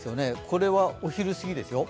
これはお昼すぎですよ。